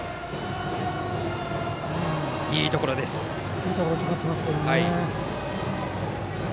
いいところに決まっていますね。